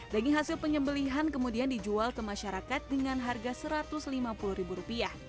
daging hasil penyembelihan kemudian dijual ke masyarakat dengan harga rp satu ratus lima puluh